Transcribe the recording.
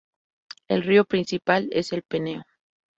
El río principal es el Peneo.